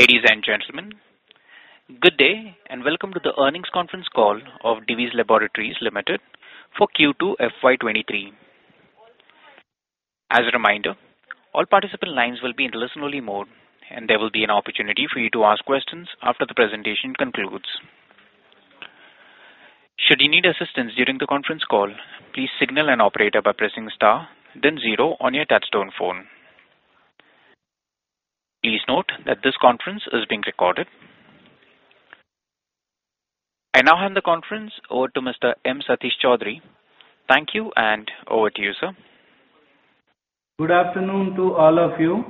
Ladies and gentlemen, good day, and welcome to the earnings conference call of Divi's Laboratories Limited for Q2 FY 2023. As a reminder, all participant lines will be in listen only mode, and there will be an opportunity for you to ask questions after the presentation concludes. Should you need assistance during the conference call, please signal an operator by pressing star then zero on your touchtone phone. Please note that this conference is being recorded. I now hand the conference over to Mr. M. Satish Choudhury. Thank you, and over to you, sir. Good afternoon to all of you.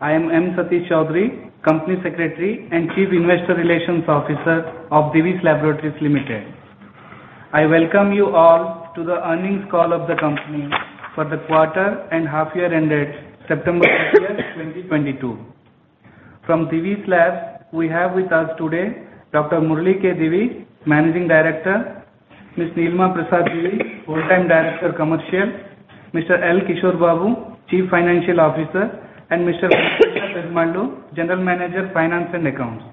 I am M. Satish Choudhury, Company Secretary and Chief Investor Relations Officer of Divi's Laboratories Limited. I welcome you all to the earnings call of the company for the quarter and half year ended September 30, 2022. From Divi's Labs, we have with us today Dr. Murali K. Divi, Managing Director, Ms. Nilima Prasad Divi, Whole Time Director Commercial, Mr. L. Kishore Babu, Chief Financial Officer, and Mr. Venkatesa Perumallu Pasumarthy, General Manager, Finance and Accounts.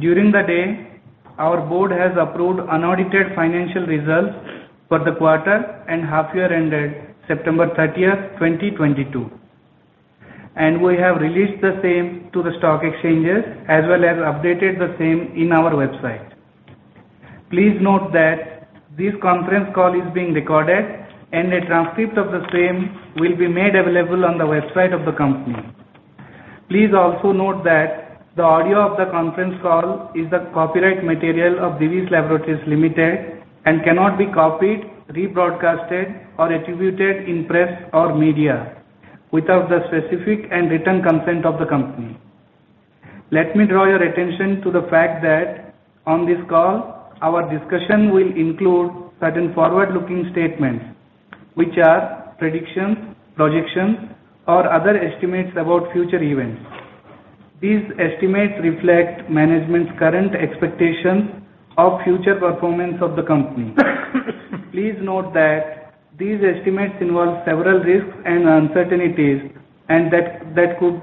During the day, our board has approved unaudited financial results for the quarter and half year ended September 30, 2022. We have released the same to the stock exchanges as well as updated the same in our website. Please note that this conference call is being recorded and a transcript of the same will be made available on the website of the company. Please also note that the audio of the conference call is the copyright material of Divi's Laboratories Limited and cannot be copied, rebroadcast, or attributed in press or media without the specific and written consent of the company. Let me draw your attention to the fact that on this call, our discussion will include certain forward-looking statements, which are predictions, projections, or other estimates about future events. These estimates reflect management's current expectation of future performance of the company. Please note that these estimates involve several risks and uncertainties and that could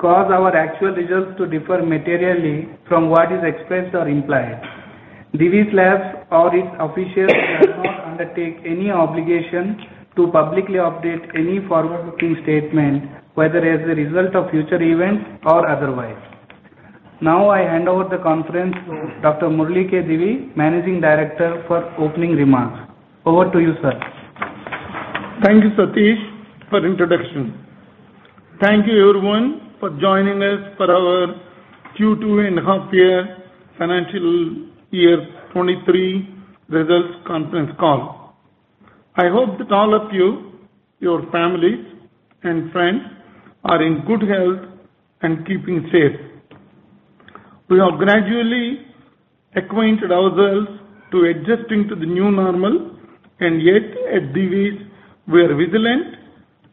cause our actual results to differ materially from what is expressed or implied. Divi's Labs or its officials do not undertake any obligation to publicly update any forward-looking statement, whether as a result of future events or otherwise. Now I hand over the conference to Dr. Murali K. Divi, Managing Director, for opening remarks. Over to you, sir. Thank you, Satish, for introduction. Thank you everyone for joining us for our Q2 and half-year financial year 2023 results conference call. I hope that all of you, your families and friends are in good health and keeping safe. We have gradually acquainted ourselves to adjusting to the new normal, and yet at Divi's we are vigilant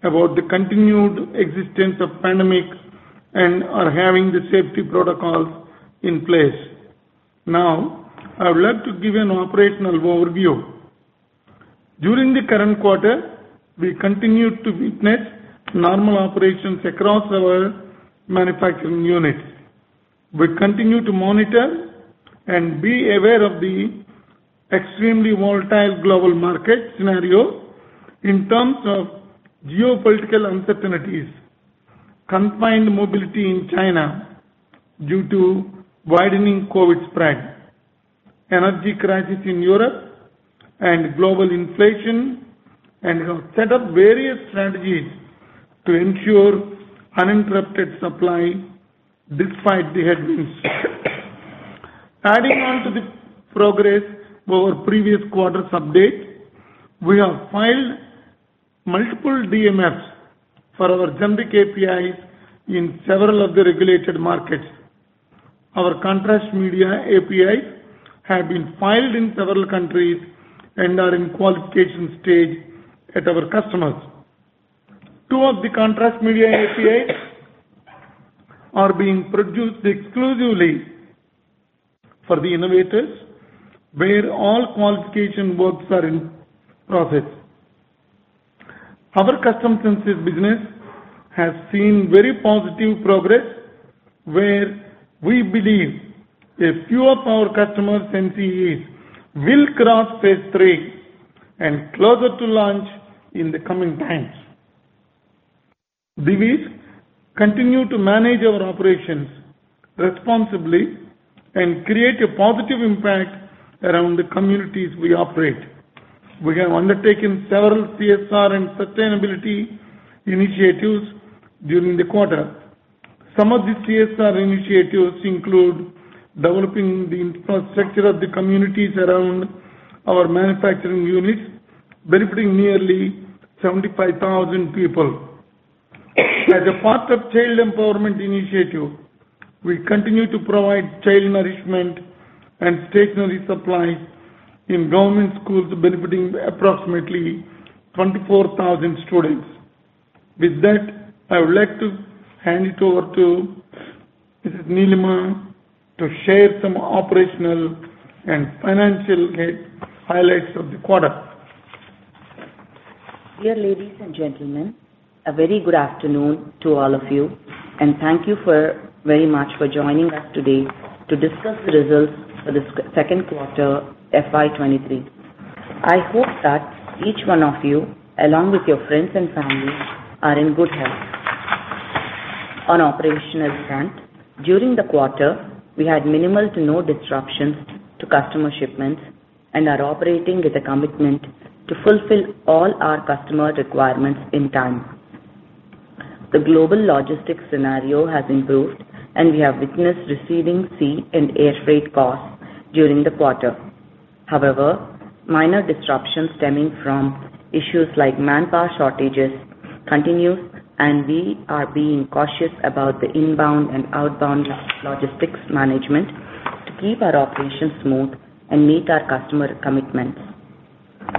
about the continued existence of pandemic and are having the safety protocols in place. Now, I would like to give an operational overview. During the current quarter, we continued to witness normal operations across our manufacturing units. We continue to monitor and be aware of the extremely volatile global market scenario in terms of geopolitical uncertainties, confined mobility in China due to widening COVID spread, energy crisis in Europe and global inflation, and have set up various strategies to ensure uninterrupted supply despite the headwinds. Adding on to the progress of our previous quarter's update, we have filed multiple DMFs for our generic APIs in several of the regulated markets. Our contrast media APIs have been filed in several countries and are in qualification stage at our customers. Two of the contrast media APIs are being produced exclusively for the innovators where all qualification works are in process. Our custom synthesis business has seen very positive progress where we believe a few of our customers' NCEs will cross phase III and closer to launch in the coming times. Divi's continue to manage our operations responsibly and create a positive impact around the communities we operate. We have undertaken several CSR and sustainability initiatives during the quarter. Some of the CSR initiatives include developing the infrastructure of the communities around our manufacturing units, benefiting nearly 75,000 people. As a part of child empowerment initiative, we continue to provide child nourishment and stationery supplies in government schools benefiting approximately 24,000 students. With that, I would like to hand it over to Mrs. Nilima to share some operational and financial highlights of the quarter. Dear ladies and gentlemen, a very good afternoon to all of you, and thank you very much for joining us today to discuss the results for the Q2 FY 2023. I hope that each one of you, along with your friends and family, are in good health. On operational front, during the quarter, we had minimal to no disruptions to customer shipments and are operating with a commitment to fulfill all our customer requirements in time. The global logistics scenario has improved, and we have witnessed receding sea and air freight costs during the quarter. However, minor disruptions stemming from issues like manpower shortages continues, and we are being cautious about the inbound and outbound logistics management to keep our operations smooth and meet our customer commitments.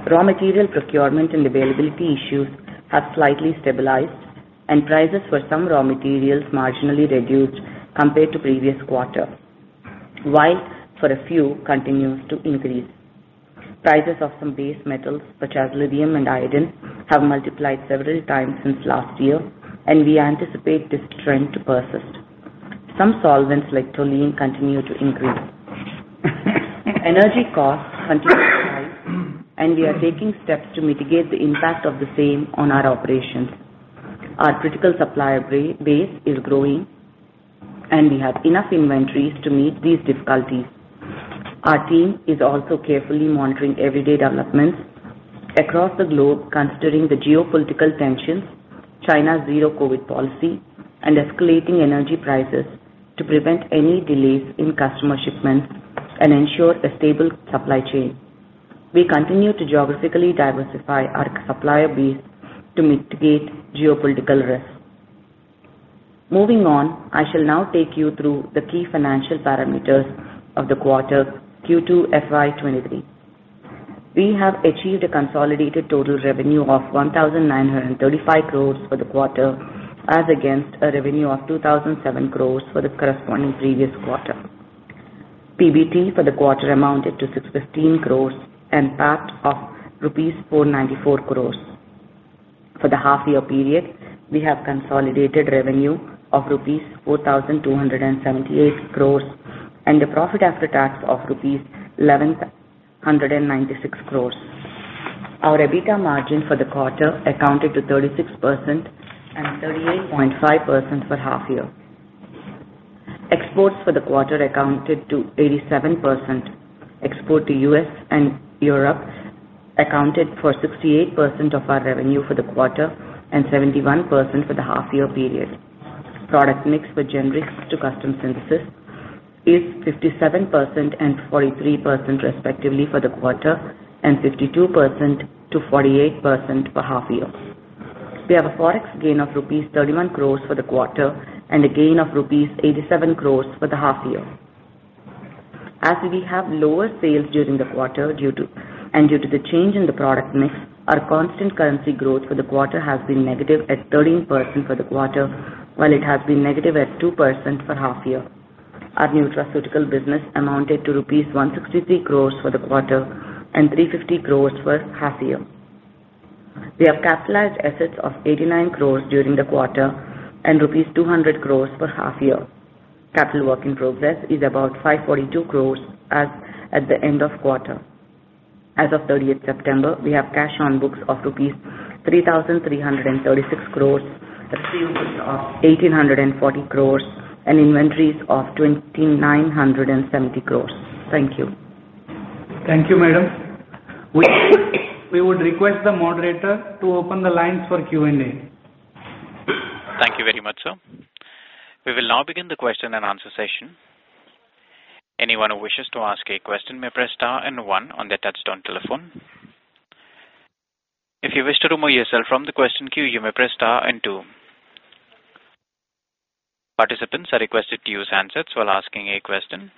Raw material procurement and availability issues have slightly stabilized, and prices for some raw materials marginally reduced compared to previous quarter. While forex continues to increase. Prices of some base metals, such as lithium and iodine, have multiplied several times since last year, and we anticipate this trend to persist. Some solvents like toluene continue to increase. Energy costs continue to rise, and we are taking steps to mitigate the impact of the same on our operations. Our critical supplier base is growing, and we have enough inventories to meet these difficulties. Our team is also carefully monitoring everyday developments across the globe, considering the geopolitical tensions, China's zero-COVID policy, and escalating energy prices to prevent any delays in customer shipments and ensure a stable supply chain. We continue to geographically diversify our supplier base to mitigate geopolitical risks. Moving on, I shall now take you through the key financial parameters of the quarter Q2 FY 2023. We have achieved a consolidated total revenue of 1,935 crore for the quarter, as against a revenue of 27 crore for the corresponding previous quarter. PBT for the quarter amounted to 615 crore and PAT of rupees 494 crore. For the half year period, we have consolidated revenue of rupees 4,278 crore and a profit after tax of rupees 1,196 crore. Our EBITDA margin for the quarter accounted for 36% and 38.5% for half year. Exports for the quarter accounted for 87%. Exports to U.S. and Europe accounted for 68% of our revenue for the quarter and 71% for the half year period. Product mix for generics to custom synthesis is 57% and 43% respectively for the quarter and 52%-48% for half year. We have a Forex gain of rupees 31 crore for the quarter and a gain of rupees 87 crore for the half year. As we have lower sales during the quarter due to the change in the product mix, our constant currency growth for the quarter has been negative at 13% for the quarter, while it has been negative at 2% for half year. Our nutraceutical business amounted to rupees 163 crore for the quarter and 350 crore for half year. We have capitalized assets of 89 crore during the quarter and rupees 200 crore for half year. Capital work in progress is about 542 crore as at the end of quarter. As of 30th September, we have cash on books of rupees 3,336 crores, receivables of 1,840 crores and inventories of 2,970 crores. Thank you. Thank you, madam. We would request the moderator to open the lines for Q&A. Thank you very much, sir. We will now begin the question and answer session. Anyone who wishes to ask a question may press star and one on their touchtone telephone. If you wish to remove yourself from the question queue, you may press star and two. Participants are requested to use handsets while asking a question.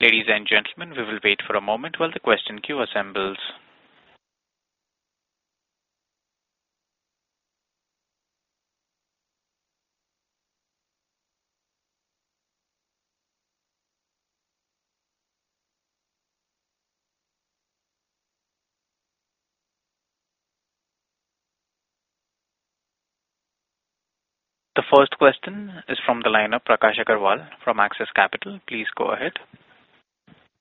Ladies and gentlemen, we will wait for a moment while the question queue assembles. The first question is from the line of Prakash Agarwal from Axis Capital. Please go ahead.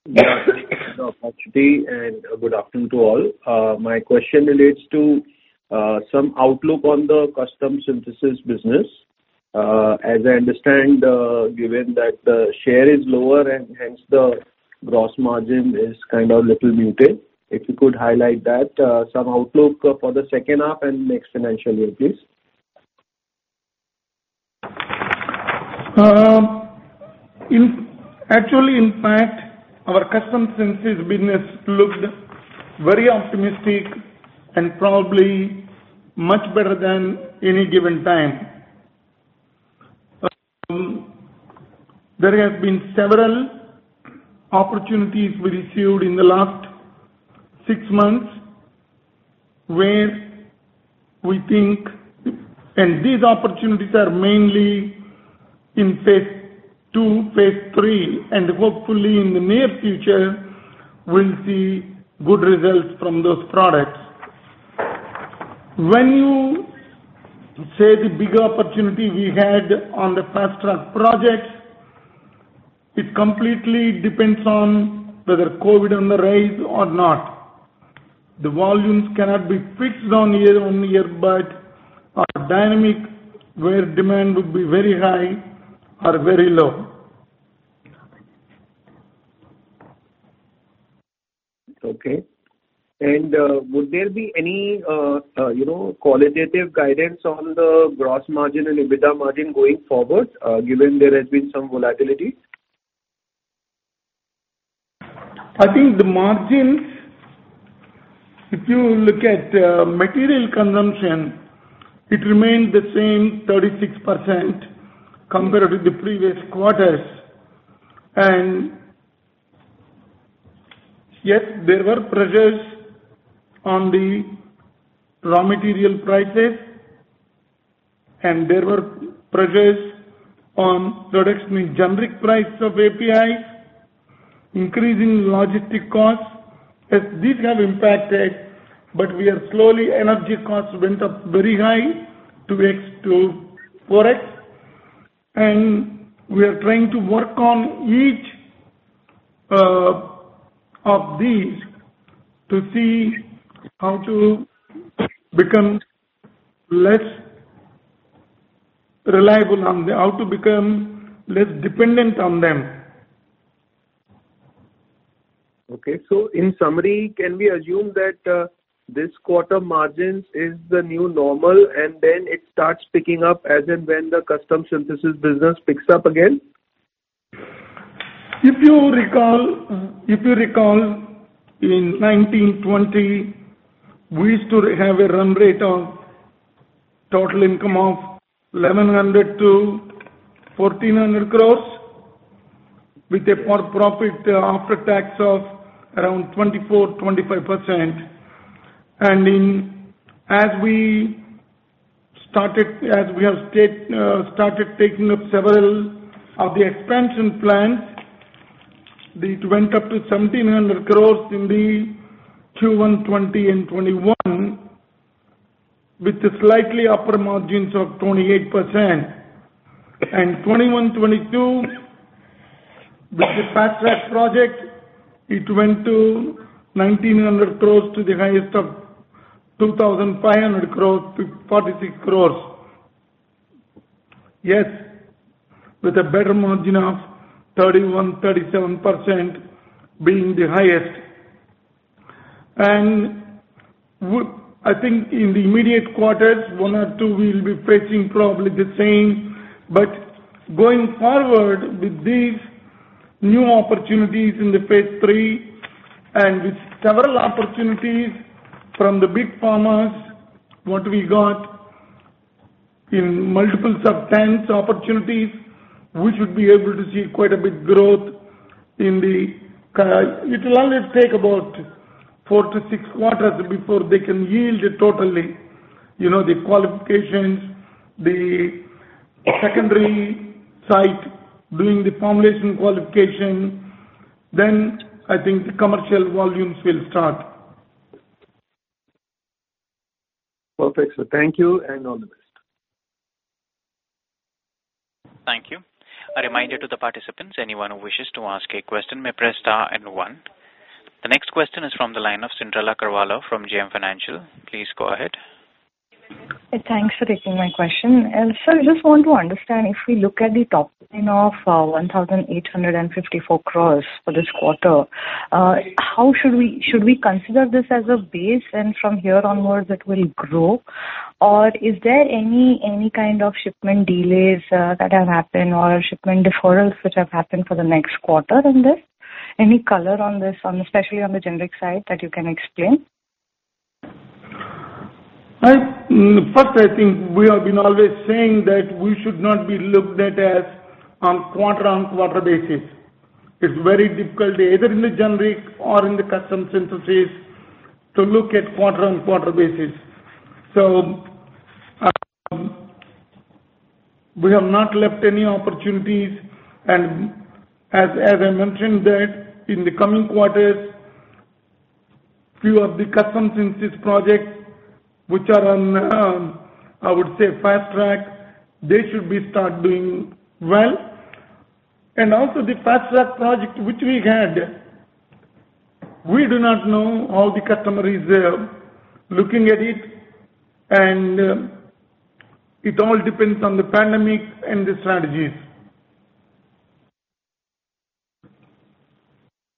Yeah. Thank you for the opportunity, and good afternoon to all. My question relates to some outlook on the custom synthesis business. As I understand, given that the share is lower and hence the gross margin is kind of little muted, if you could highlight that, some outlook for the second half and next financial year, please. Actually, in fact, our custom synthesis business looked very optimistic and probably much better than any given time. There have been several opportunities we received in the last six months where we think these opportunities are mainly in phase II, phase III, and hopefully in the near future we'll see good results from those products. When you say the bigger opportunity we had on the fast-track projects, it completely depends on whether COVID on the rise or not. The volumes cannot be fixed on year-on-year, but are dynamic, where demand would be very high or very low. Okay. Would there be any, you know, qualitative guidance on the gross margin and EBITDA margin going forward, given there has been some volatility? I think the margins, if you look at material consumption, it remained the same 36% compared with the previous quarters. Yes, there were pressures on the raw material prices, and there were pressures on products, mainly generic price of API, increasing logistic costs. Yes, these have impacted, but we are slowly. Energy costs went up very high due to forex, and we are trying to work on each of these to see how to become less dependent on them. Okay. In summary, can we assume that this quarter margins is the new normal, and then it starts picking up as and when the custom synthesis business picks up again? If you recall, in 2019-2020 we used to have a run rate of total income of 1,100 crore-1,400 crores with a PAT of around 24%-25%. As we started taking up several of the expansion plans, it went up to 1,700 crores in 2020-2021 and 2021-2022, with slightly higher margins of 28%. In 2021-2022, with the fast-track project, it went to 1,900 crores to the highest of 2,046 crores. Yes, with a better margin of 31%-37% being the highest. I think in the immediate quarters, one or two we'll be facing probably the same. Going forward with these new opportunities in the Phase III and with several opportunities from the big pharmas, what we got in multiple substance opportunities, we should be able to see quite a bit growth in the. It will always take about 4 quarters-6 quarters before they can yield totally, you know, the qualifications, the secondary site doing the formulation qualification, then I think the commercial volumes will start. Perfect, sir. Thank you and all the best. Thank you. A reminder to the participants, anyone who wishes to ask a question may press star and one. The next question is from the line of Cyndrella Carvalho from JM Financial. Please go ahead. Thanks for taking my question. Sir, I just want to understand, if we look at the top line of 1,854 crores for this quarter, should we consider this as a base and from here onwards it will grow? Or is there any kind of shipment delays that have happened or shipment deferrals which have happened for the next quarter in this? Any color on this, especially on the generic side that you can explain? First, I think we have been always saying that we should not be looked at as on quarter-on-quarter basis. It's very difficult either in the generic or in the custom synthesis to look at quarter-on-quarter basis. We have not left any opportunities, and as I mentioned that in the coming quarters, few of the custom synthesis projects which are on, I would say fast track, they should be start doing well. Also the fast track project which we had, we do not know how the customer is looking at it, and it all depends on the pandemic and the strategies.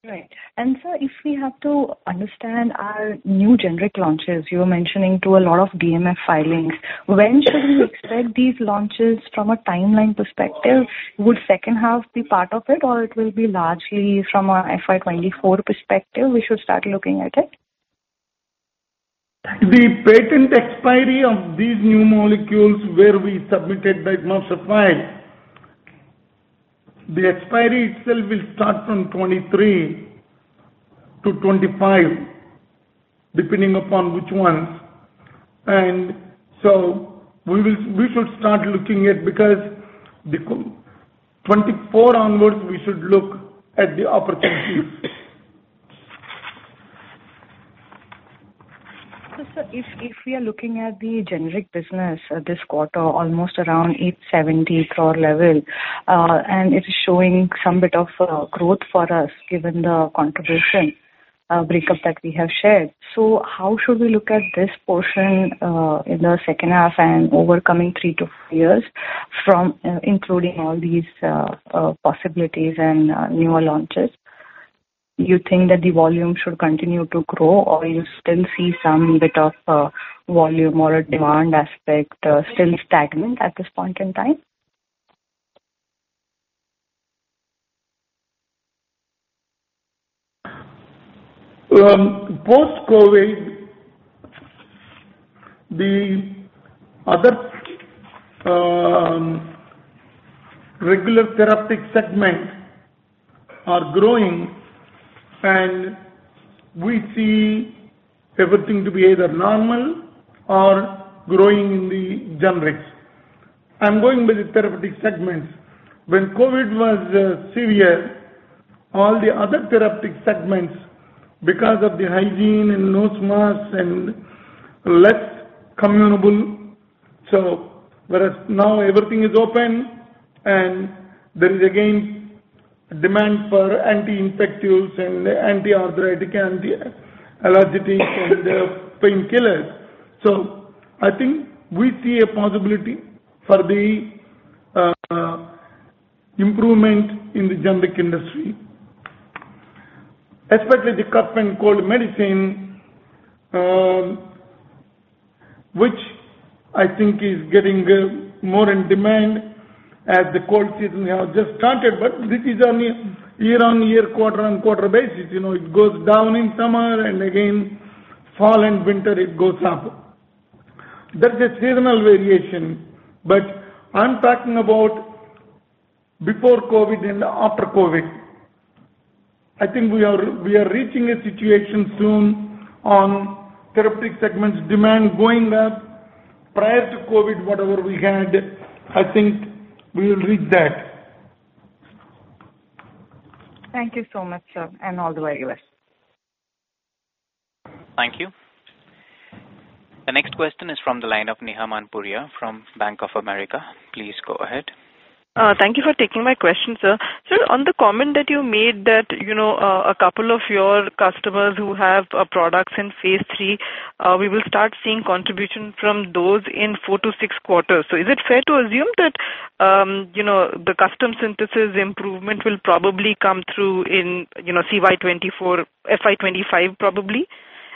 Right. Sir, if we have to understand our new generic launches, you were mentioning to a lot of DMF filings. When should we expect these launches from a timeline perspective? Would second half be part of it or it will be largely from a FY 2024 perspective we should start looking at it? The patent expiry of these new molecules where we submitted DMF files. The expiry itself will start from 2023-2025, depending upon which ones. We will, we should start looking at because the 2024 onwards we should look at the opportunities. Sir, if we are looking at the generic business this quarter, almost around 870 crore level, and it is showing some bit of growth for us, given the contribution break up that we have shared. How should we look at this portion in the second half and over coming 3 years-5 years from including all these possibilities and newer launches? You think that the volume should continue to grow or you still see some bit of volume or a demand aspect still stagnant at this point in time? Post-COVID, the other regular therapeutic segment are growing, and we see everything to be either normal or growing in the generics. I'm going with the therapeutic segments. When COVID was severe, all the other therapeutic segments because of the hygiene and nose masks and less communicable. Whereas now everything is open and there is again demand for anti-infectives and anti-arthritic, anti-allergy, and painkillers. I think we see a possibility for the improvement in the generic industry, especially the cough and cold medicine, which I think is getting more in demand as the cold season has just started. This is on a year-on-year, quarter-on-quarter basis. You know, it goes down in summer and again fall and winter it goes up. That's a seasonal variation, but I'm talking about before COVID and after COVID. I think we are reaching a situation soon on therapeutic segments demand going up. Prior to COVID, whatever we had, I think we will reach that. Thank you so much, sir, and all the very best. Thank you. The next question is from the line of Neha Manpuria from Bank of America. Please go ahead. Thank you for taking my question, sir. Sir, on the comment that you made that, you know, a couple of your customers who have products in phase three, we will start seeing contribution from those in 4 quarters-6 quarters. Is it fair to assume that, you know, the custom synthesis improvement will probably come through in, you know, CY 2024, FY 2025 probably,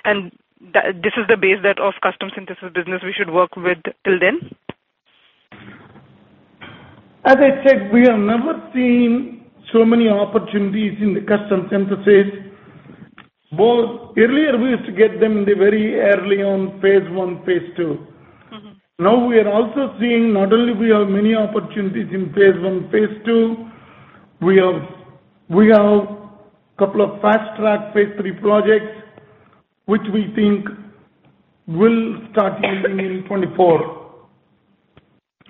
and this is the base that of custom synthesis business we should work with till then? As I said, we have never seen so many opportunities in the custom synthesis. But earlier we used to get them in the very early on phase I, phase II. Now we are also seeing not only we have many opportunities in phase I, phase II, we have a couple of fast track phase III projects which we think will start giving in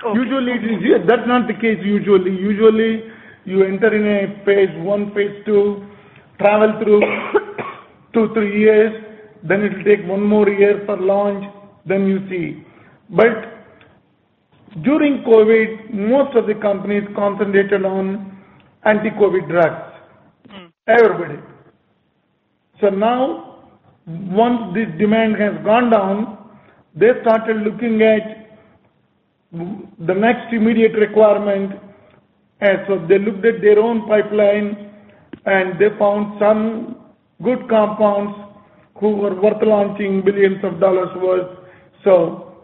2024. Okay. That's not the case usually. Usually you enter in a phase I, phase II, travel through 2 years-3 years, then it'll take one more year for launch, then you see. During COVID, most of the companies concentrated on anti-COVID drugs Everybody. Now once this demand has gone down, they started looking at the next immediate requirement. They looked at their own pipeline and they found some good compounds who were worth launching billions of dollars worth.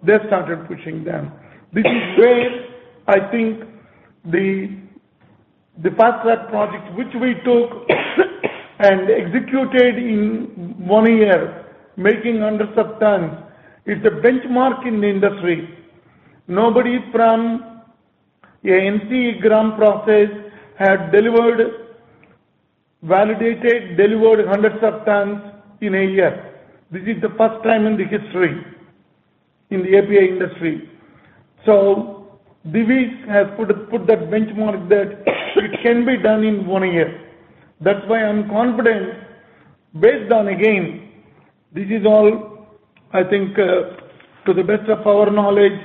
They started pushing them. This is where I think the fast track project which we took and executed in one year, making hundreds of tons, it's a benchmark in the industry. Nobody from a microgram process had delivered, validated, delivered hundreds of tons in one year. This is the first time in the history in the API industry. Divi's has put that benchmark that it can be done in one year. That's why I'm confident based on again, this is all I think, to the best of our knowledge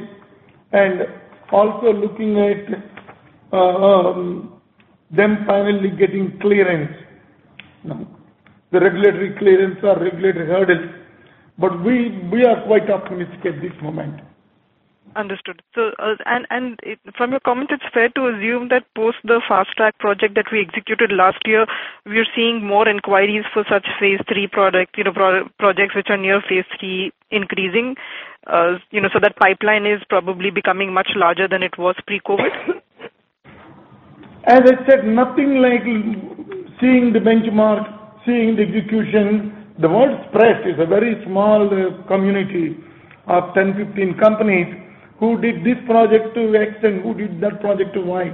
and also looking at them finally getting clearance. You know, the regulatory clearance or regulatory hurdles. We are quite optimistic at this moment. Understood. From your comment, it's fair to assume that post the fast track project that we executed last year, we are seeing more inquiries for such phase III product, you know, projects which are near phase III increasing. You know, that pipeline is probably becoming much larger than it was pre-COVID. As I said, nothing like seeing the benchmark, seeing the execution, the word spread is a very small community of 10, 15 companies who did this project to X and who did that project to Y.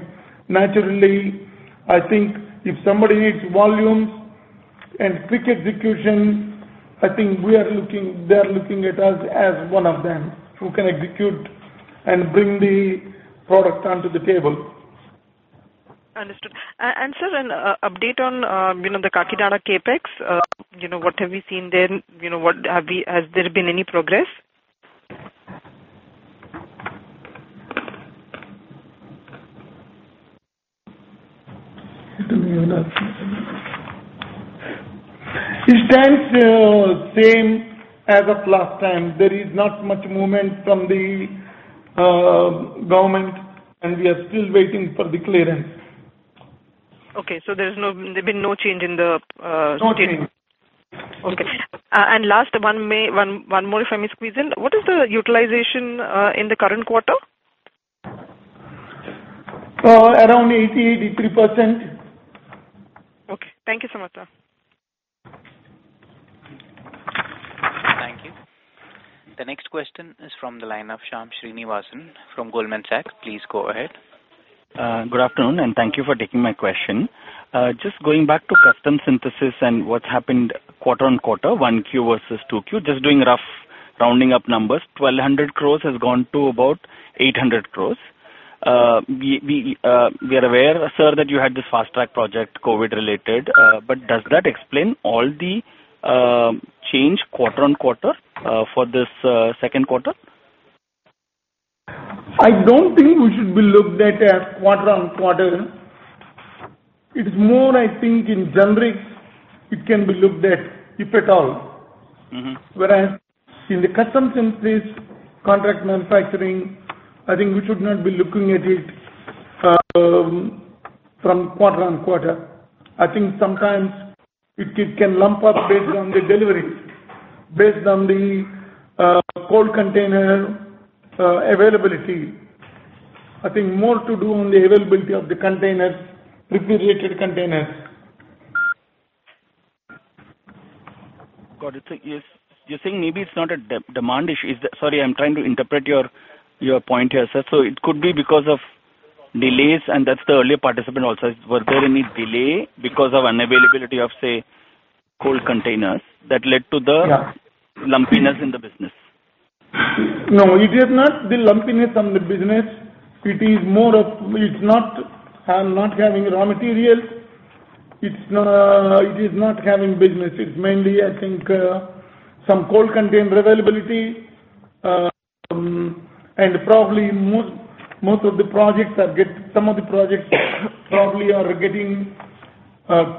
Naturally, I think if somebody needs volumes and quick execution, I think they are looking at us as one of them who can execute and bring the product onto the table. Understood. Sir, an update on, you know, the Kakinada CapEx. You know, what have we seen there? You know, has there been any progress? It stands same as of last time. There is not much movement from the government, and we are still waiting for the clearance. Okay, there's been no change in the status. No change. Okay. Last one, maybe one more, if I may squeeze in. What is the utilization in the current quarter? Around 80%-83%. Okay. Thank you so much, sir. Thank you. The next question is from the line of Shyam Srinivasan from Goldman Sachs. Please go ahead. Good afternoon, and thank you for taking my question. Just going back to custom synthesis and what's happened quarter-over-quarter, Q1 versus Q2. Just doing rough rounding up numbers. 1,200 crores has gone to about 800 crores. We are aware, sir, that you had this fast-track project, COVID-related, but does that explain all the change quarter-on-quarter for this Q2? I don't think we should be looked at as quarter-on-quarter. It's more, I think, in generics it can be looked at, if at all. Whereas in the custom synthesis contract manufacturing, I think we should not be looking at it from quarter-over-quarter. I think sometimes it can lump up based on the delivery, based on the cold container availability. I think more to do on the availability of the containers, refrigerated containers. Got it. You're saying maybe it's not a demand issue. Is that? Sorry, I'm trying to interpret your point here, sir. It could be because of delays, and that's the earlier participant also. Were there any delay because of unavailability of, say, cold containers that led to the Yeah. Lumpiness in the business? No, it is not the lumpiness on the business. It is more of it's not having raw materials. It is not having business. It's mainly, I think, some cold container availability. Probably some of the projects are getting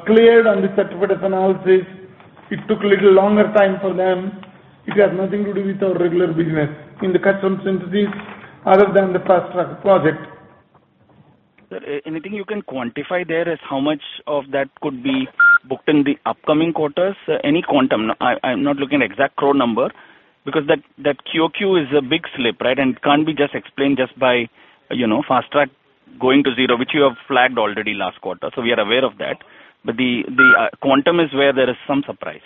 cleared on the certificate of analysis. It took a little longer time for them. It has nothing to do with our regular business in the custom synthesis other than the fast-track project. Sir, anything you can quantify there as how much of that could be booked in the upcoming quarters? Any quantum. I'm not looking at exact crore number because that Q-O-Q is a big slip, right? It can't be just explained just by, you know, fast track going to zero, which you have flagged already last quarter. We are aware of that. The quantum is where there is some surprise.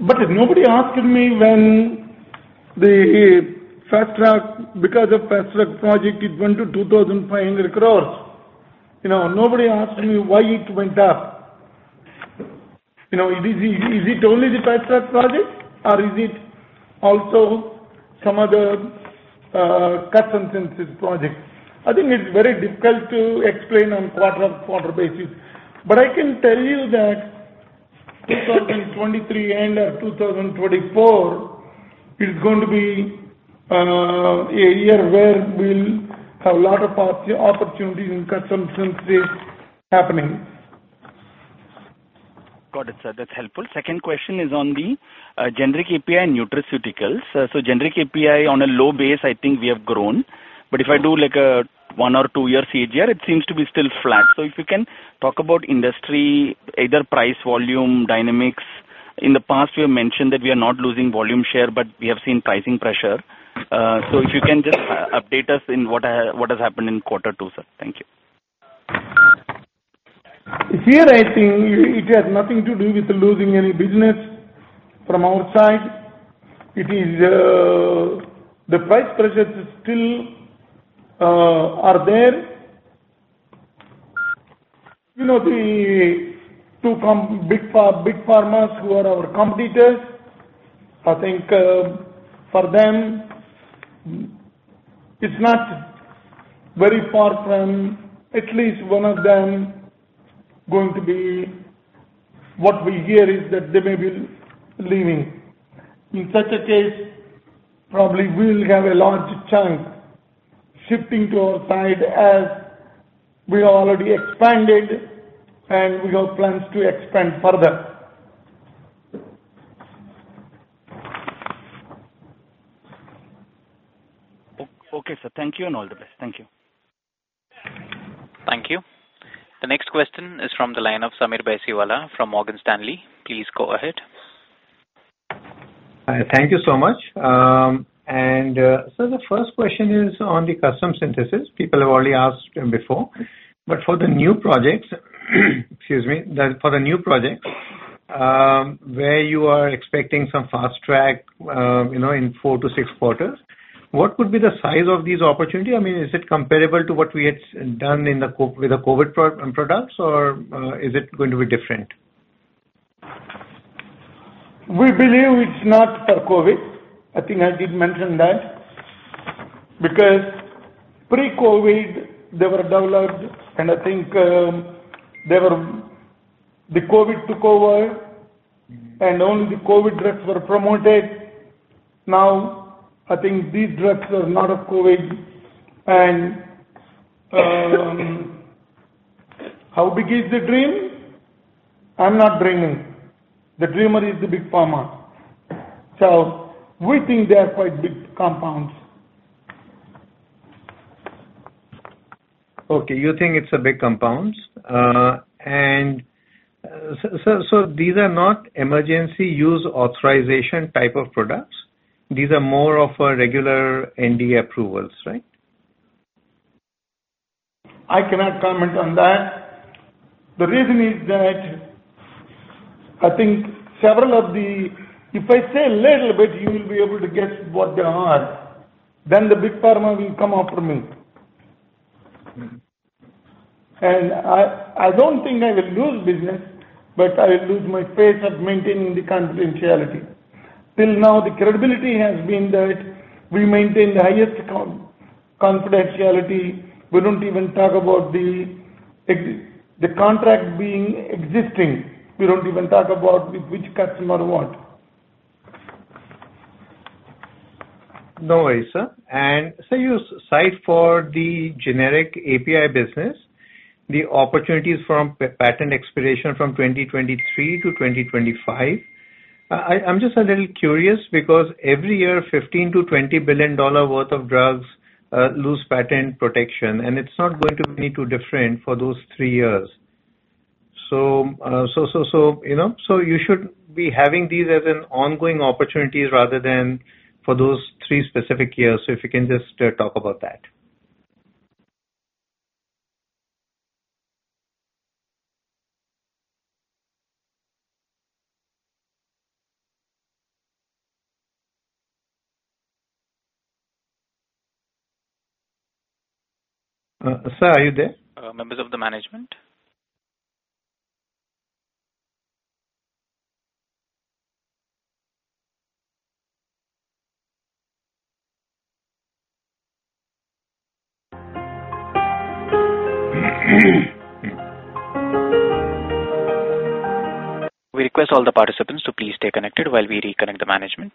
Nobody asked me when the fast track, because of fast track project it went to 2,500 crores. You know, nobody asked me why it went up. You know, is it only the fast track project or is it also some other custom synthesis project? I think it's very difficult to explain on quarter-on-quarter basis. I can tell you that 2023 and/or 2024 is going to be a year where we'll have a lot of opportunities in custom synthesis happening. Got it, sir. That's helpful. Second question is on the generic API and nutraceuticals. Generic API on a low base, I think we have grown. If I do like a one or two-year CAGR, it seems to be still flat. If you can talk about industry, either price-volume dynamics. In the past you have mentioned that we are not losing volume share, but we have seen pricing pressure. If you can just update us on what has happened in quarter two, sir. Thank you. Here, I think it has nothing to do with losing any business from our side. It is the price pressures still are there. You know, the two big pharmas who are our competitors, I think, for them, it's not very far from at least one of them going to be, what we hear is that they may be leaving. In such a case, probably we'll have a large chunk shifting to our side as we already expanded and we have plans to expand further. Okay, sir. Thank you and all the best. Thank you. Thank you. The next question is from the line of Sameer Baisiwala from Morgan Stanley. Please go ahead. Thank you so much. The first question is on the custom synthesis. People have already asked before. For the new projects, excuse me, for the new projects where you are expecting some fast track, you know, in 4 quarters-6 quarters, what would be the size of these opportunity? I mean, is it comparable to what we had done in the COVID with the COVID products, or is it going to be different? We believe it's not for COVID. I think I did mention that. Because pre-COVID, they were developed. The COVID took over, and only the COVID drugs were promoted. Now, I think these drugs are not of COVID. How big is the dream? I'm not dreaming. The dreamer is the Big Pharma. We think they are quite big compounds. Okay. You think it's a big compounds. These are not emergency use authorization type of products. These are more of a regular NDA approvals, right? I cannot comment on that. The reason is that I think if I say a little bit, you'll be able to guess what they are, then the Big Pharma will come after me. I don't think I will lose business, but I'll lose my pace of maintaining the confidentiality. Till now, the credibility has been that we maintain the highest confidentiality. We don't even talk about the contract being existing. We don't even talk about which customer want. No worries, sir. Sir, you cite for the generic API business, the opportunities from patent expiration from 2023 to 2025. I'm just a little curious because every year, $15 billion-$20 billion worth of drugs lose patent protection, and it's not going to be too different for those three years. You know, you should be having these as ongoing opportunities rather than for those three specific years. If you can just talk about that. Sir, are you there? Members of the management. We request all the participants to please stay connected while we reconnect the management.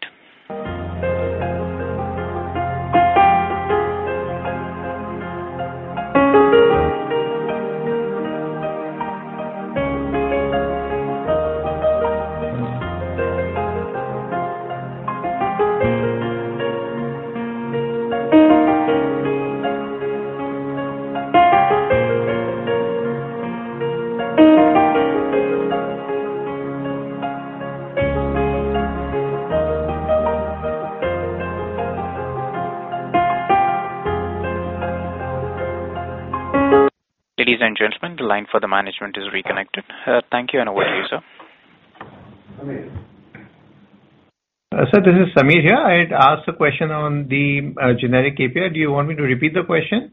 Ladies and gentlemen, the line for the management is reconnected. Thank you and over to you, sir. Sameer. Sir, this is Sameer here. I had asked a question on the generic API. Do you want me to repeat the question?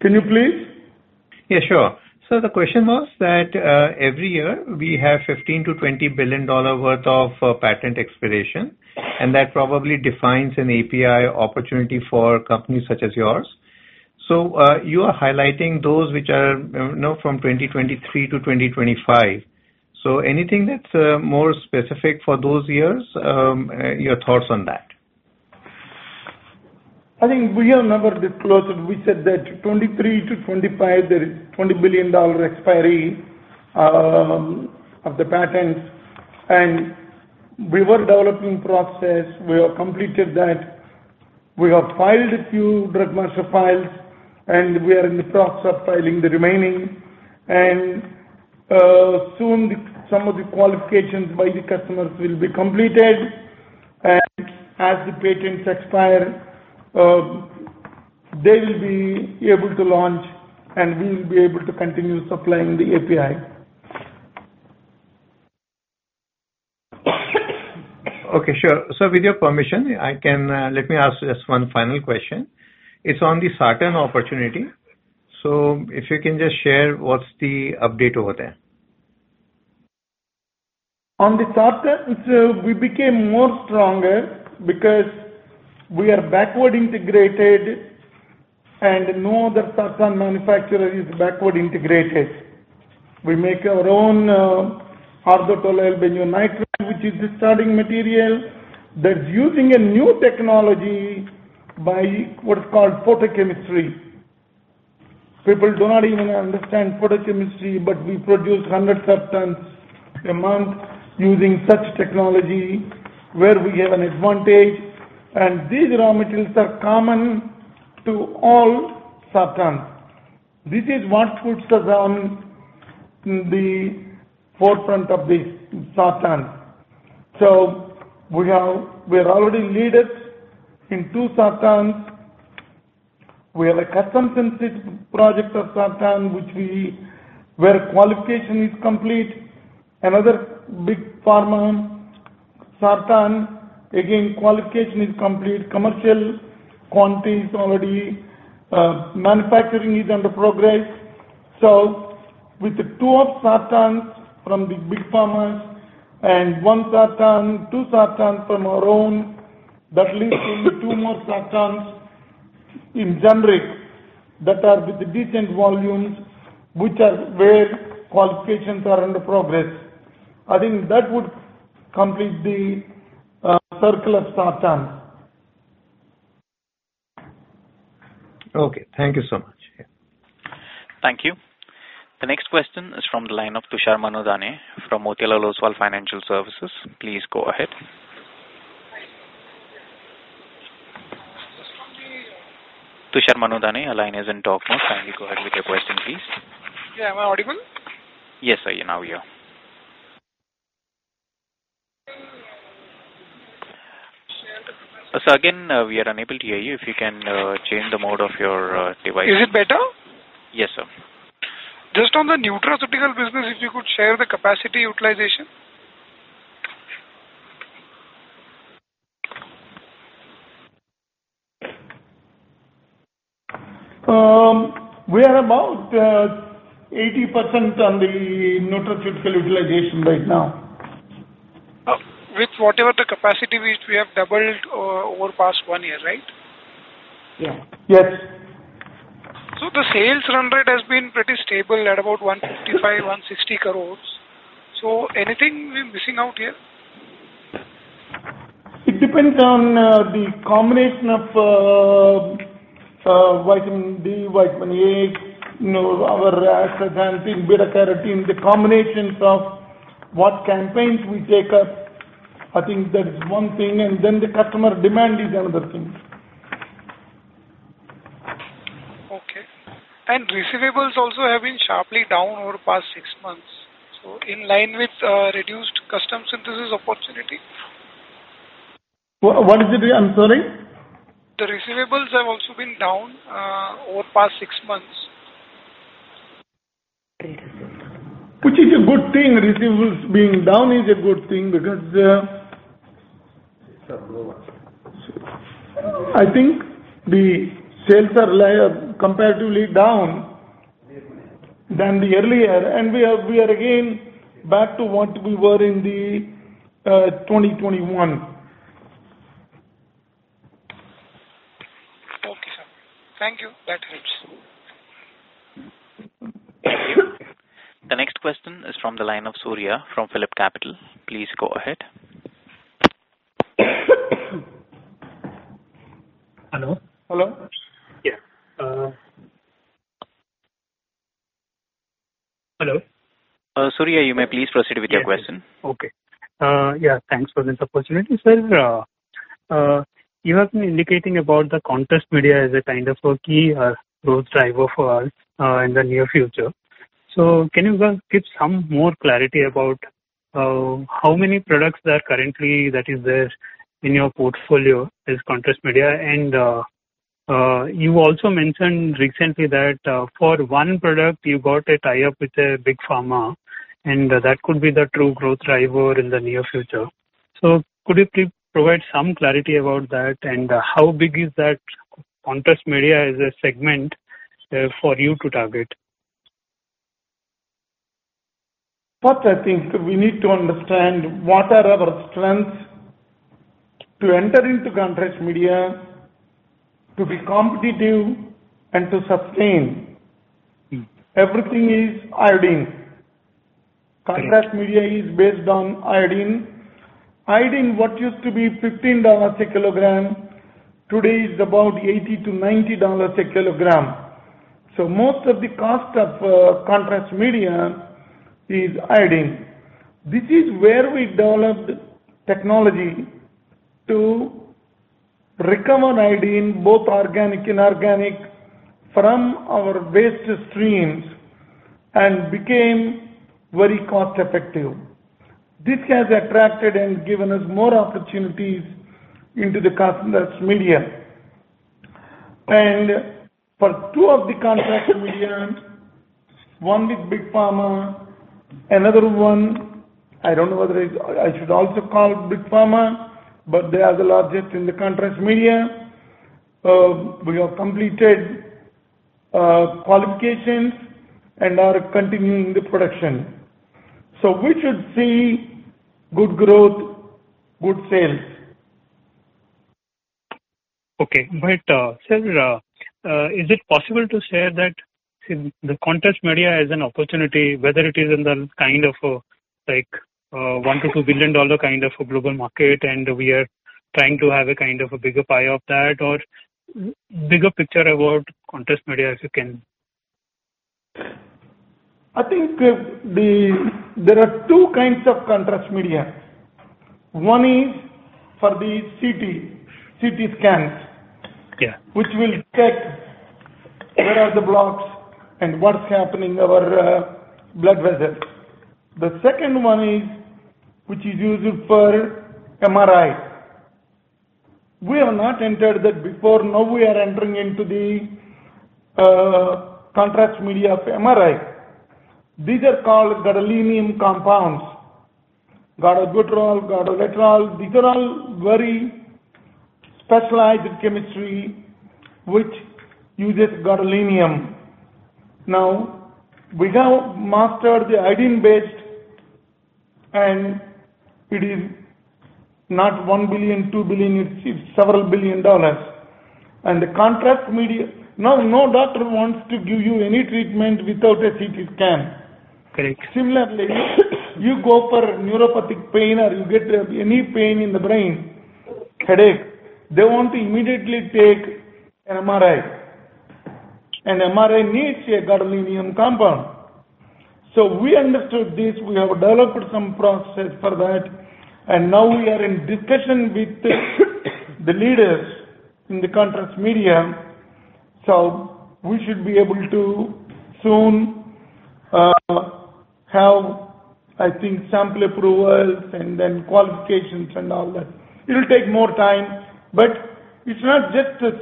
Can you please? Yeah, sure. The question was that, every year, we have $15 billion-$20 billion worth of patent expiration, and that probably defines an API opportunity for companies such as yours. You are highlighting those which are, you know, from 2023-2025. Anything that's more specific for those years, your thoughts on that. I think we have never disclosed. We said that 2023-2025, there is $20 billion expiry of the patents. We were developing process. We have completed that. We have filed a few drug master files, and we are in the process of filing the remaining. Soon, some of the qualifications by the customers will be completed. As the patents expire, they will be able to launch, and we will be able to continue supplying the API. Okay. Sure. Sir, with your permission, let me ask just one final question. It's on the Sartan opportunity. If you can just share what's the update over there. On the sartan, we became more stronger because we are backward integrated and no other sartan manufacturer is backward integrated. We make our own ortho-tolyl carbonitrile, which is the starting material. They're using a new technology by what is called photochemistry. People do not even understand photochemistry, but we produce 100 sartans a month using such technology where we have an advantage. And these raw materials are common to all sartans. This is what puts us in the forefront of the sartan. We are already leaders in two sartans. We have a custom synthesis project of sartan, which we, where qualification is complete. Another big pharma sartan, again, qualification is complete, commercial quantity is already manufacturing is under progress. With the two of sartans from the big pharmas and one sartan, two sartans from our own, that leaves only two more sartans in generic that are where qualifications are in progress. I think that would complete the circle of sartan. Okay. Thank you so much. Thank you. The next question is from the line of Tushar Manudhane from Motilal Oswal Financial Services. Please go ahead. Tushar Manudhane, your line is on talk mode. Kindly go ahead with your question, please. Yeah. Am I audible? Yes, sir. You're now here. Sir, again, we are unable to hear you. If you can, change the mode of your device. Is it better? Yes, sir. Just on the nutraceutical business, if you could share the capacity utilization? We are about 80% on the nutraceutical utilization right now. With whatever the capacity which we have doubled over past one year, right? Yeah. Yes. The sales run rate has been pretty stable at about 155-160 crores. Anything we're missing out here? It depends on the combination of vitamin D, vitamin A, you know, our astaxanthin, beta carotene, the combinations of what campaigns we take up. I think that is one thing, and then the customer demand is another thing. Okay. Receivables also have been sharply down over the past six months. In line with reduced custom synthesis opportunity? What did you say? I'm sorry. The receivables have also been down over the past six months. Which is a good thing. Receivables being down is a good thing because I think the sales are comparatively down than the earlier, and we are again back to what we were in the 2021. Okay, sir. Thank you. That helps. The next question is from the line of Surya from PhillipCapital. Please go ahead. Hello? Hello. Yeah. Hello? Surya, you may please proceed with your question. Okay. Yeah, thanks for this opportunity. Sir, you have been indicating about the contrast media as a kind of a key growth driver for us in the near future. Can you give some more clarity about how many products that currently is there in your portfolio as contrast media? And you also mentioned recently that for one product you got a tie-up with a big pharma, and that could be the true growth driver in the near future. Could you please provide some clarity about that? And how big is that contrast media as a segment for you to target? First, I think we need to understand what are our strengths to enter into contrast media, to be competitive and to sustain. Everything is iodine. Right. Contrast media is based on iodine. Iodine, what used to be $15 a kilogram, today is about $80-$90 a kilogram. Most of the cost of contrast media is iodine. This is where we developed technology to recover iodine, both organic, inorganic, from our waste streams and became very cost effective. This has attracted and given us more opportunities into the contrast media. For two of the contrast media, one with big pharma, another one I don't know whether I should also call big pharma, but they are the largest in the contrast media. We have completed qualifications and are continuing the production. We should see good growth, good sales. Sir, is it possible to share that the contrast media as an opportunity, whether it is in the kind of, like, $1 billion-$2 billion kind of a global market and we are trying to have a kind of a bigger pie of that or bigger picture about contrast media, if you can? I think there are two kinds of contrast media. One is for the CT scans. Yeah. which will check where are the blocks and what's happening in our blood vessels. The second one is which is used for MRI. We have not entered that before, now we are entering into the contrast media of MRI. These are called gadolinium compounds, gadobutrol, gadoteridol. These are all very specialized chemistry which uses gadolinium. Now, we have mastered the iodine-based, and it is not $1 billion, $2 billion, it's several billion dollars. The contrast media. Now, no doctor wants to give you any treatment without a CT scan. Correct. Similarly, you go for neuropathic pain or you get any pain in the brain. Correct. They want to immediately take an MRI, and MRI needs a gadolinium compound. We understood this. We have developed some process for that, and now we are in discussion with the leaders in the contrast media. We should be able to soon have, I think, sample approvals and then qualifications and all that. It'll take more time, it's not just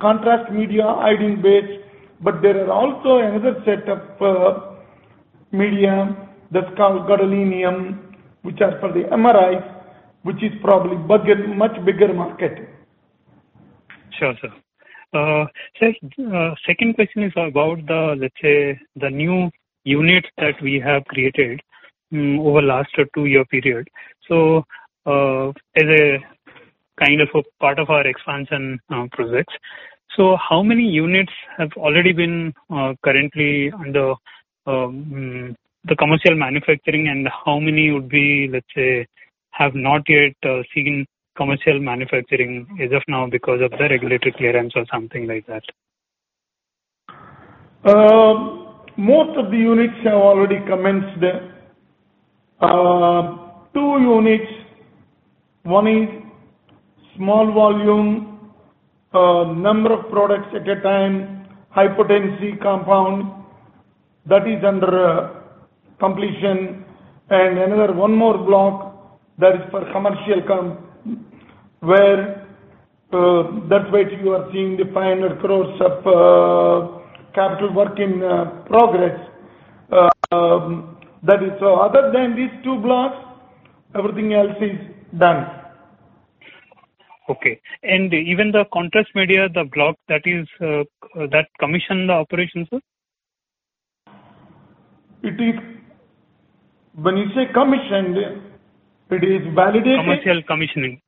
contrast media iodine-based, but there are also another set of media that's called gadolinium, which are for the MRI, which is probably bigger, much bigger market. Sure, sir. Second question is about the, let's say, the new units that we have created over last two-year period. As a kind of a part of our expansion projects. How many units have already been currently under the commercial manufacturing, and how many would be, let's say, have not yet seen commercial manufacturing as of now because of the regulatory clearance or something like that? Most of the units have already commenced. Two units, one is small volume, number of products at a time, hypotensive compound that is under completion. Another one more block that is for commercial compound, where that's why you are seeing the 500 crore of capital work in progress. That is other than these two blocks, everything else is done. Even the contrast media, the commissioning, the operations? When you say commissioned, it is validated. Commercial commissioning.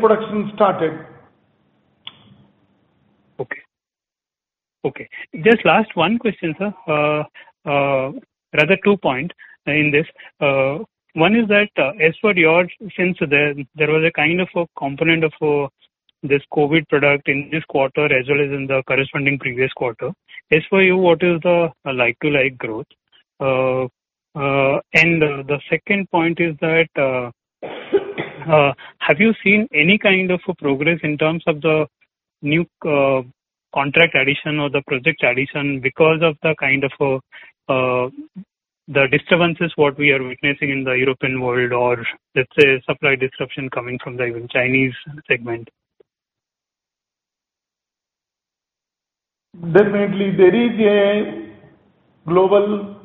Production started. Okay. Just last one question, sir. Rather two points in this. One is that, as per your sense, there was a kind of a component of this COVID product in this quarter as well as in the corresponding previous quarter. As for you, what is the like-for-like growth? And the second point is that, have you seen any kind of a progress in terms of the new contract addition or the project addition because of the kind of the disturbances that we are witnessing in the European world or, let's say, supply disruption coming from the even Chinese segment? Definitely, there is a global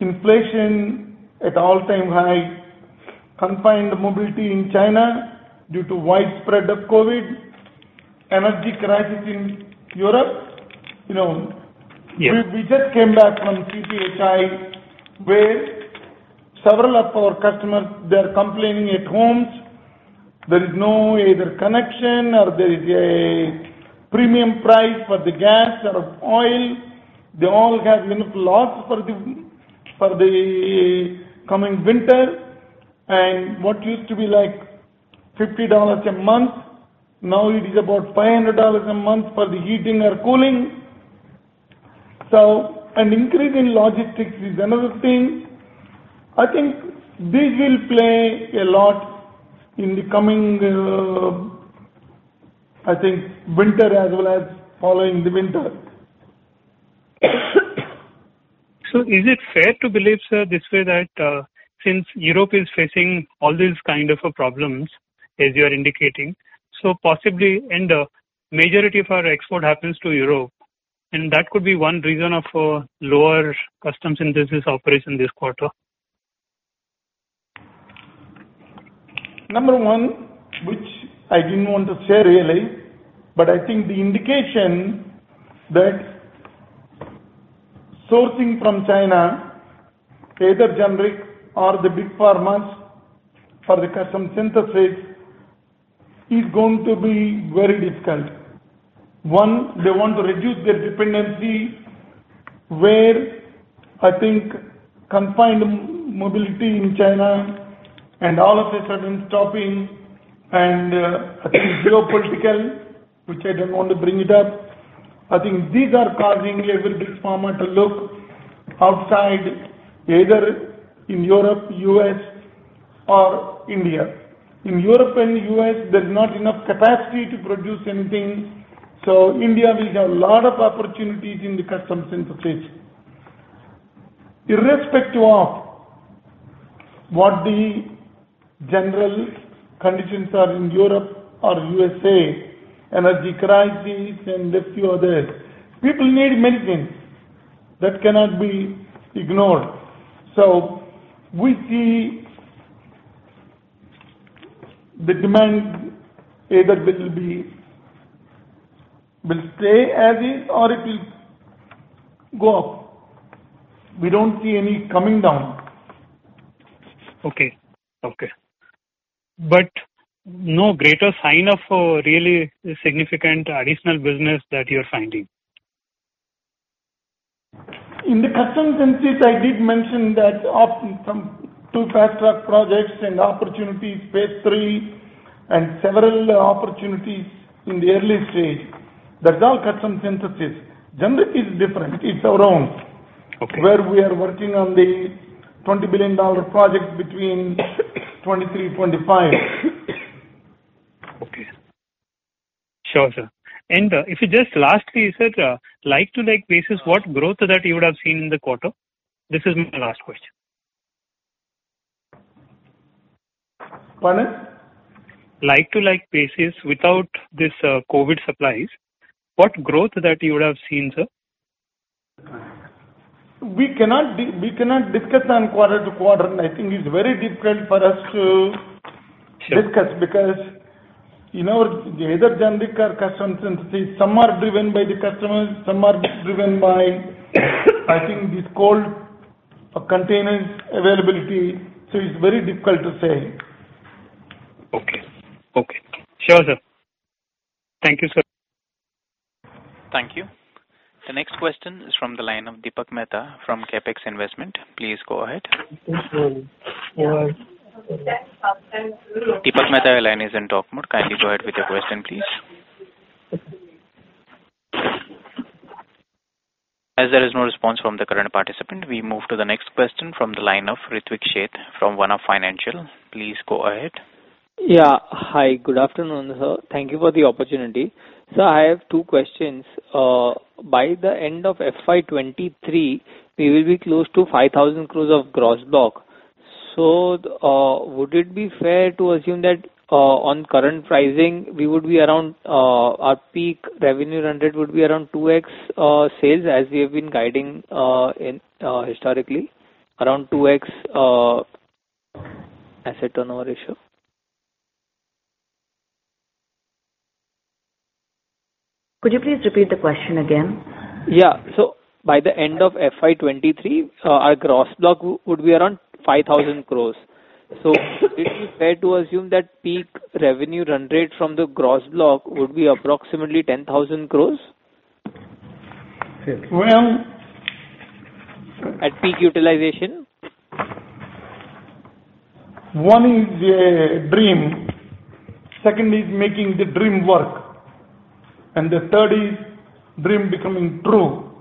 inflation at all-time high, confined mobility in China due to widespread of COVID, energy crisis in Europe. You know- Yeah. We just came back from CPHI, where several of our customers they are complaining at homes there is no either connection or there is a premium price for the gas or oil. They all have, you know, loss for the coming winter. What used to be like $50 a month, now it is about $500 a month for the heating or cooling. An increase in logistics is another thing. I think this will play a lot in the coming winter as well as following the winter. Is it fair to believe, sir, this way that since Europe is facing all these kind of a problems as you are indicating, majority of our export happens to Europe, and that could be one reason of lower customers and business operations this quarter? Number one, which I didn't want to share really, but I think the indication that sourcing from China, either generic or the Big Pharmas for the custom synthesis, is going to be very difficult. One, they want to reduce their dependency, where I think confined mobility in China and all of a sudden stopping and, geopolitical, which I don't want to bring it up. I think these are causing every pharma to look outside, either in Europe, U.S. or India. In Europe and U.S., there's not enough capacity to produce anything. India will have a lot of opportunities in the custom synthesis. Irrespective of what the general conditions are in Europe or U.S.A., energy crisis and a few others, people need medicines. That cannot be ignored. We see the demand either it will stay as is or it will go up. We don't see any coming down. Okay. No greater sign of really significant additional business that you're finding. In the custom synthesis, I did mention that of some two fast-track projects and opportunities, phase three and several opportunities in the early stage. That's all custom synthesis. Generic is different. It's our own. Okay. Where we are working on the $20 billion project between 2023-2025. Okay. Sure, sir. If you just lastly you said, like-for-like basis, what growth that you would have seen in the quarter? This is my last question. Pardon? Like-for-like basis without this COVID supplies, what growth that you would have seen, sir? We cannot discuss on quarter-to-quarter. I think it's very difficult for us to discuss because, you know, either generic or custom synthesis, some are driven by the customers, some are driven by, I think, this COVID or container availability. It's very difficult to say. Okay. Sure, sir. Thank you, sir. Thank you. The next question is from the line of Deepak Mehta from Capex Investment. Please go ahead. Thank you. Go ahead. Deepak Mehta, your line is in talk mode. Kindly go ahead with your question, please. As there is no response from the current participant, we move to the next question from the line of Ritwik Sheth from One-Up Financial. Please go ahead. Yeah. Hi. Good afternoon, sir. Thank you for the opportunity. Sir, I have two questions. By the end of FY 2023, we will be close to 5,000 crore of gross block. Would it be fair to assume that, on current pricing, we would be around our peak revenue run rate would be around 2x sales as we have been guiding in historically around 2x asset turnover ratio? Could you please repeat the question again? By the end of FY 2023, our gross block would be around 5,000 crore. Would it be fair to assume that peak revenue run rate from the gross block would be approximately 10,000 crore? Well- At peak utilization. One is the dream. Second is making the dream work. The third is dream becoming true.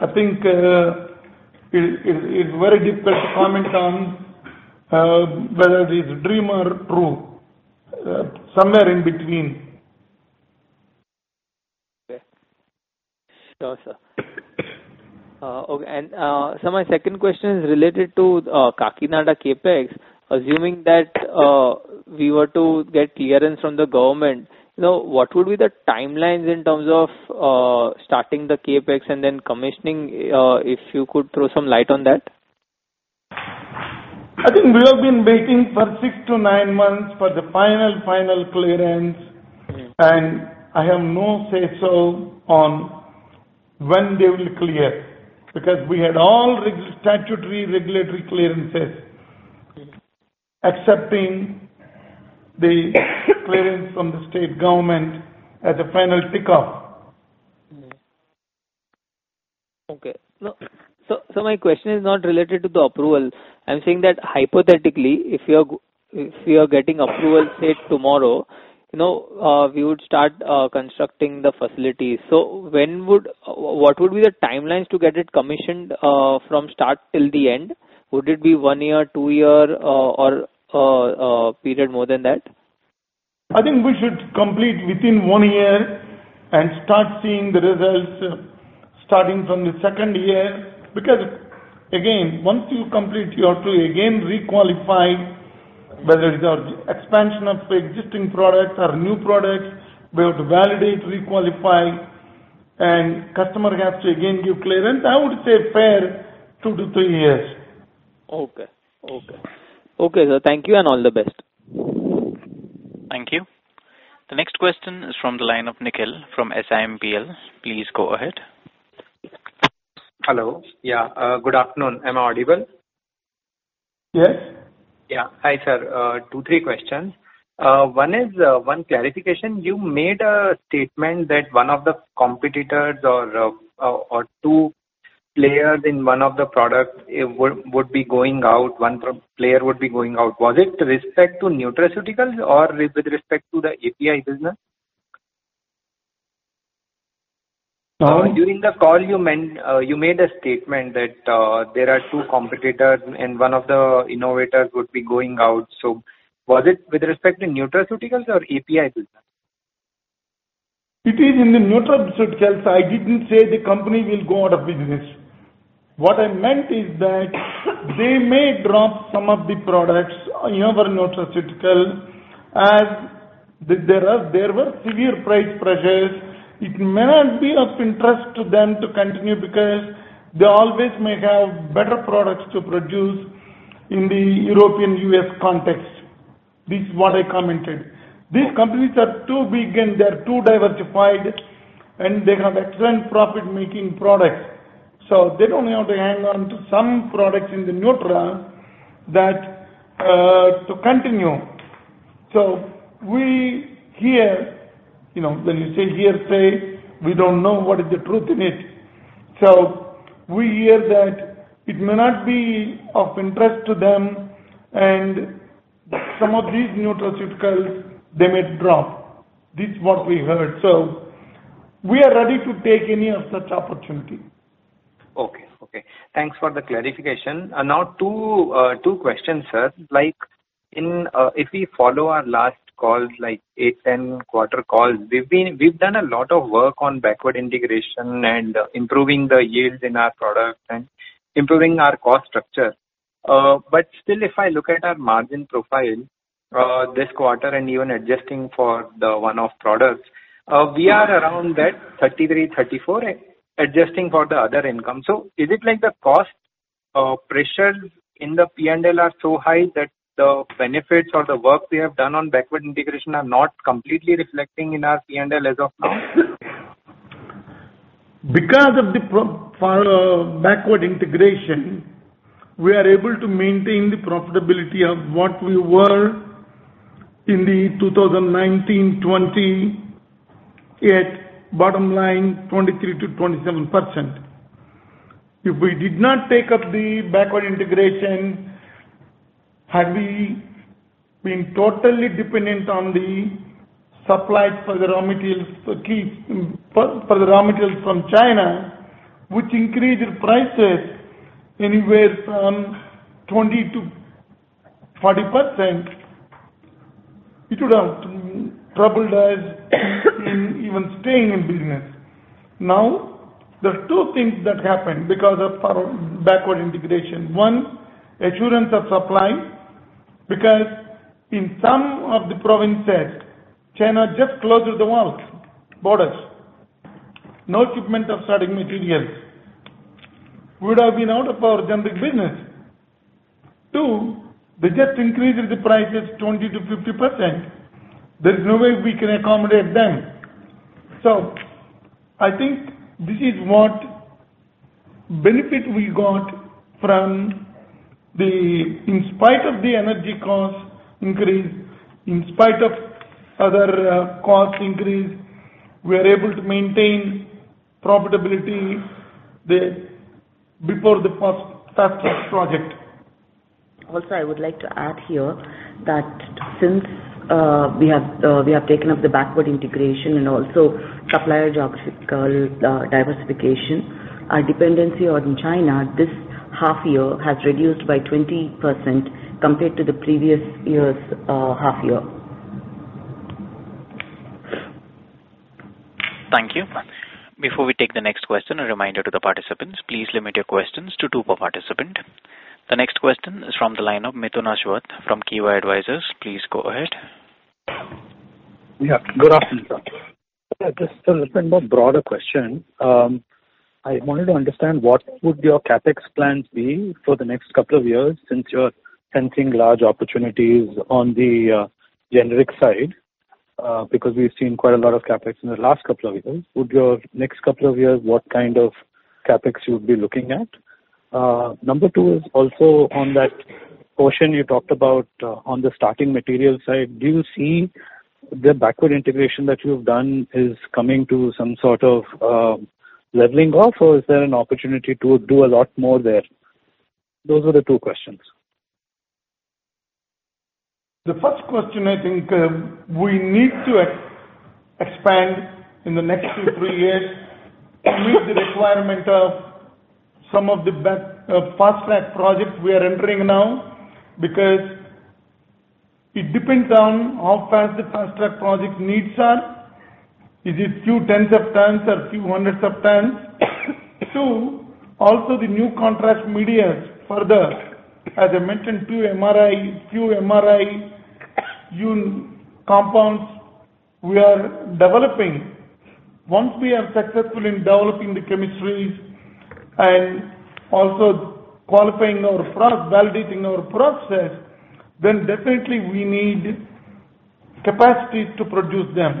I think, it's very difficult to comment on, whether it is dream or true. Somewhere in between. Okay. Sure, sir. My second question is related to Kakinada CapEx. Assuming that we were to get clearance from the government, you know, what would be the timelines in terms of starting the CapEx and then commissioning? If you could throw some light on that. I think we have been waiting for 6 months-9 months for the final clearance.I have no say so on when they will clear, because we had all statutory regulatory clearances. Okay. Accepting the clearance from the state government as a final tick off. My question is not related to the approval. I'm saying that hypothetically, if you're getting approval, say, tomorrow, you know, we would start constructing the facilities. What would be the timelines to get it commissioned from start till the end? Would it be 1 year, 2 year, or a period more than that? I think we should complete within one year and start seeing the results starting from the second year. Because again, once you complete, you have to again re-qualify, whether it's our expansion of existing products or new products, we have to validate, re-qualify, and customer has to again give clearance. I would say fair two to three years. Okay, sir. Thank you and all the best. Thank you. The next question is from the line of Nikhil from SIMPL. Please go ahead. Hello. Yeah. Good afternoon. Am I audible? Yes. Yeah. Hi, sir. Two, three questions. One is one clarification. You made a statement that one of the competitors or two players in one of the products it would be going out, one player would be going out. Was it with respect to nutraceuticals or with respect to the API business? During the call you meant, you made a statement that there are two competitors and one of the innovators would be going out. Was it with respect to nutraceuticals or API business? It is in the nutraceuticals. I didn't say the company will go out of business. What I meant is that they may drop some of the products, you know, for nutraceutical, as there were severe price pressures. It may not be of interest to them to continue because they always may have better products to produce in the European/U.S. context. This is what I commented. These companies are too big and they're too diversified, and they have excellent profit-making products, so they don't have to hang on to some products in the nutra that, to continue. We hear, you know, when you say hearsay, we don't know what is the truth in it. We hear that it may not be of interest to them and some of these nutraceuticals they may drop. This is what we heard, so we are ready to take any such opportunity. Okay. Thanks for the clarification. Now two questions, sir. Like, if we follow our last call, like 8 quarter-10 quarter calls, we've done a lot of work on backward integration and improving the yields in our products and improving our cost structure. Still, if I look at our margin profile, this quarter and even adjusting for the one-off products, we are around that 33%-34%, adjusting for the other income. Is it like the cost pressures in the P&L are so high that the benefits or the work we have done on backward integration are not completely reflecting in our P&L as of now? Because of backward integration, we are able to maintain the profitability of what we were in the 2019/2020 at bottom line, 23%-27%. If we did not take up the backward integration, had we been totally dependent on the supply for the raw materials from China, which increased prices anywhere from 20%-40%, it would have troubled us in even staying in business. Now, there are two things that happened because of our backward integration. One, assurance of supply, because in some of the provinces, China just closed the world borders. No shipment of starting materials. We would have been out of our generic business. Two, they just increased the prices 20%-50%. There's no way we can accommodate them. I think this is the benefit we got from the. In spite of the energy cost increase, in spite of other costs increase, we are able to maintain profitability before the fast-track project. Also, I would like to add here that since we have taken up the backward integration and also supplier geographical diversification, our dependency on China this half year has reduced by 20% compared to the previous year's half year. Thank you. Before we take the next question, a reminder to the participants, please limit your questions to two per participant. The next question is from the line of Mithun Aswath from Kivah Advisors. Please go ahead. Yeah. Good afternoon, sir. Just a little bit more broader question. I wanted to understand what would your CapEx plans be for the next couple of years since you're sensing large opportunities on the generic side? Because we've seen quite a lot of CapEx in the last couple of years. Would your next couple of years, what kind of CapEx you would be looking at? Number two is also on that portion you talked about on the starting material side. Do you see the backward integration that you've done is coming to some sort of leveling off? Or is there an opportunity to do a lot more there? Those are the two questions. The first question, I think, we need to expand in the next 2 years-3 years to meet the requirement of some of the fast-track projects we are entering now because it depends on how fast the fast-track project needs are. Is it few tens of tons or few hundreds of tons? Two, also the new contrast media further, as I mentioned, two MRI, few MRI, few compounds we are developing. Once we are successful in developing the chemistries and also qualifying and validating our process, then definitely we need capacities to produce them.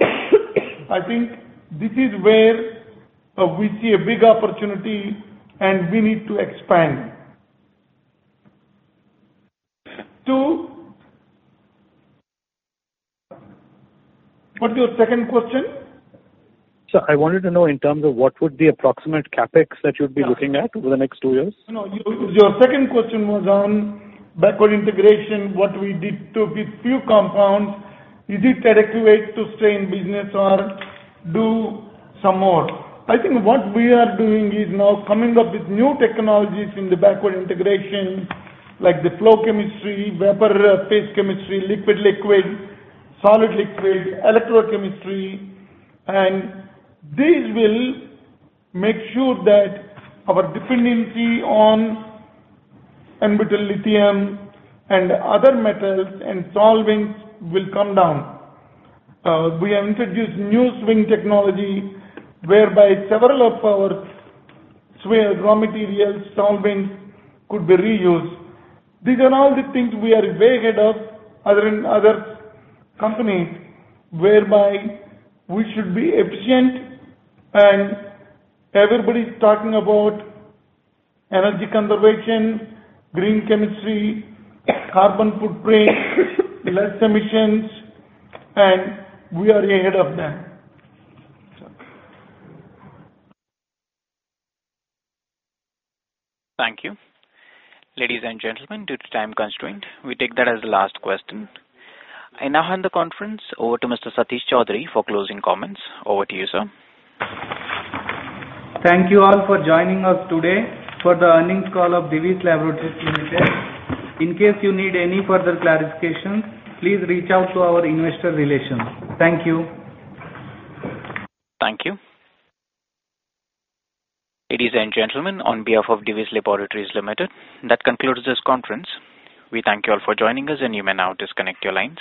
I think this is where we see a big opportunity and we need to expand. What's your second question? Sir, I wanted to know in terms of what would be approximate CapEx that you'd be looking at over the next two years? No, your second question was on backward integration, what we did with few compounds. Is it correct way to stay in business or do some more? I think what we are doing is now coming up with new technologies in the backward integration, like the flow chemistry, vapor phase chemistry, liquid-liquid, solid-liquid, electrochemistry. This will make sure that our dependency on n-butyllithium and other metals and solvents will come down. We have introduced new swing technology whereby several of our swing raw materials, solvents could be reused. These are all the things we are way ahead of other companies, whereby we should be efficient and everybody's talking about energy conservation, green chemistry, carbon footprint, less emissions, and we are ahead of them. Thank you. Ladies and gentlemen, due to time constraint, we take that as the last question. I now hand the conference over to Mr.Satish Choudhury for closing comments. Over to you, sir. Thank you all for joining us today for the earnings call of Divi's Laboratories Limited. In case you need any further clarifications, please reach out to our investor relations. Thank you. Thank you. Ladies and gentlemen, on behalf of Divi's Laboratories Limited, that concludes this conference. We thank you all for joining us, and you may now disconnect your lines.